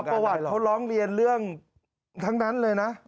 ประวัติเขาร้องเรียนเรื่องทั้งนั้นเลยนะ